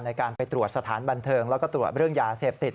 ในการไปตรวจสถานบันเทิงแล้วก็ตรวจเรื่องยาเสพติด